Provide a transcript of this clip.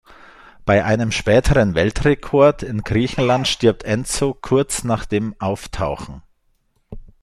Bei einem späteren Weltrekordversuch in Griechenland stirbt Enzo kurz nach dem Auftauchen.